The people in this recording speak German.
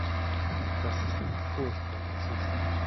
Das ist ein furchtbarer Zustand.